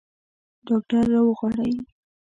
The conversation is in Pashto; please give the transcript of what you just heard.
ډاکټر راوغواړئ